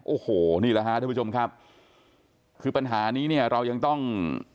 โอ้โหนี่แหละฮะท่านผู้ชมครับคือปัญหานี้เนี่ยเรายังต้อง